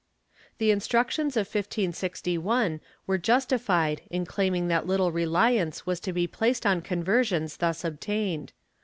* The Instructions of 1561 were justified in claiming that little reliance was to be placed on conversions thus obtained.